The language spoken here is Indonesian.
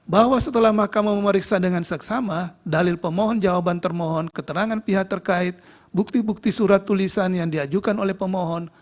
bahwa setelah mahkamah memeriksa dengan seksama dalil pemohon jawaban termohon keterangan pihak terkait bukti bukti surat tulisan yang diajukan oleh pemohon